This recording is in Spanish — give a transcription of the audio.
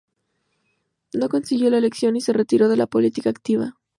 No consiguió la elección y se retiró de la política activa.